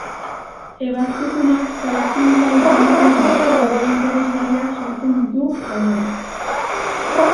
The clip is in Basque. Ebazkizunak saiakuntza diseinuari buruzko galdera interesgarriak sortzen ditu, gainera.